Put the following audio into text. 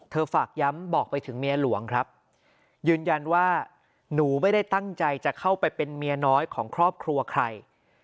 ฝากย้ำบอกไปถึงเมียหลวงครับยืนยันว่าหนูไม่ได้ตั้งใจจะเข้าไปเป็นเมียน้อยของครอบครัวใคร